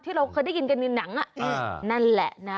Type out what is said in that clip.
เราเคยได้ยินกันในหนังนั่นแหละนะ